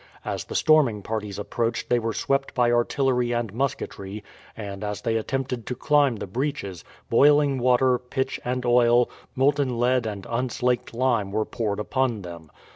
As the storming parties approached they were swept by artillery and musketry, and as they attempted to climb the breaches, boiling water, pitch and oil, molten lead and unslaked lime were poured upon them.